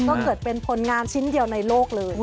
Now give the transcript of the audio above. ก็เกิดเป็นผลงานชิ้นเดียวในโลกเลย